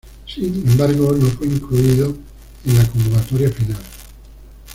Sin, embargo, no fue incluido en la convocatoria final.